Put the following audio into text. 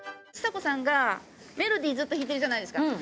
ちさ子さんがメロディーずっと弾いてるじゃないですか。